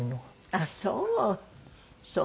あっそう。